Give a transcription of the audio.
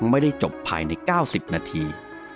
ไม่ได้จบภายในเก้าสิบนาที